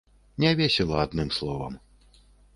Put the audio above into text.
Не весела, адным словам.